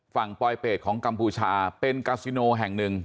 ปลอยเป็ดของกัมพูชาเป็นกาซิโนแห่งหนึ่ง